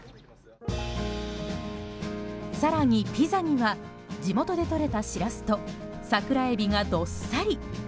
更に、ピザには地元でとれたシラスと桜エビがどっさり。